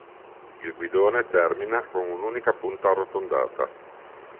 Il guidone termina con un'unica punta arrotondata.